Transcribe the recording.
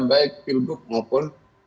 baik pilbuk maupun